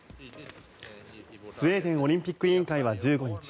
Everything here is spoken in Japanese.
スウェーデンオリンピック委員会は１５日